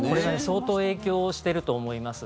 相当影響していると思います。